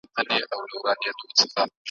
په ځان روغ وو رنګ په رنګ یې خوراکونه `